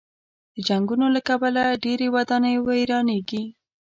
د جنګونو له کبله ډېرې ودانۍ ورانېږي.